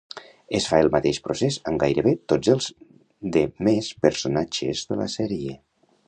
Es fa el mateix procés amb gairebé tots els de més personatges de la sèrie.